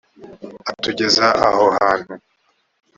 atugeza aha hantu,